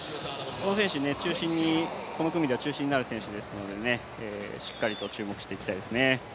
この選手はこの組では中心になる選手ですのでしっかりと注目していきたいですね。